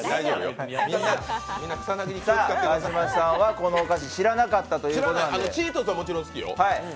川島さんはこのお菓子、知らなかったということで。